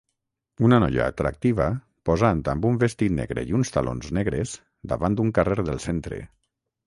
Una noia atractiva posant amb un vestit negre i uns talons negres davant d'un carrer del centre.